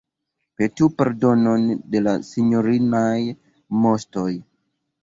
Petu pardonon de la sinjorinaj Moŝtoj.